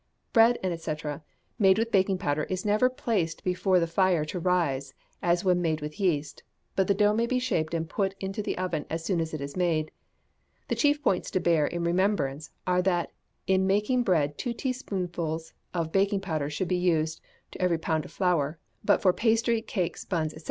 Bread, &c., made with baking powder is never placed before the fire to rise as when made with yeast, but the dough may be shaped and put into the oven as soon as it is made. The chief points to bear in remembrance are that in making bread two teaspoonfuls of baking powder should be used to every pound of flour, but for pastry, cakes, buns, &c.